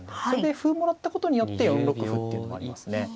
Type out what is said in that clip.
それで歩もらったことによって４六歩っていうのもありますね。